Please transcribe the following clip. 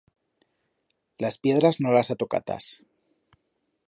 Las piedras no las han tocatas.